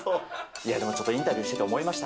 いや、でもちょっとインタビューしてて思いました。